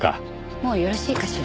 もうよろしいかしら？